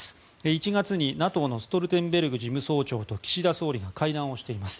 １月にＮＡＴＯのストルテンベルグ事務総長と岸田総理が会談をしています。